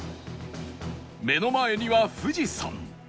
目の前には富士山